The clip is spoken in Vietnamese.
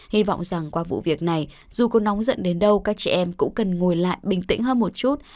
hy vọng rằng qua vụ việc này dù cô nóng dẫn đến đâu các chị em cũng cần ngồi lại bình tĩnh hơn một chút